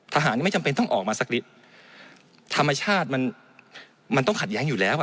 ยังไม่จำเป็นต้องออกมาสักนิดธรรมชาติมันมันต้องขัดแย้งอยู่แล้วอ่ะ